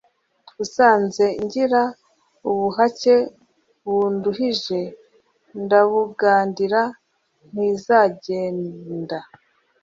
Usanze ngira ubuhake bunduhije ndabugandira ntizagenda.